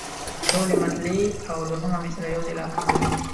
ټولې مطلعې او دوهمه مصرع یو سېلاب کم لري.